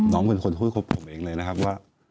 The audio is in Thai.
น้องเป็นคนพูดครบผมเองเลยนะครับว่า